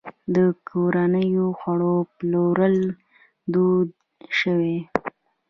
د کورنیو خوړو پلورل دود شوي؟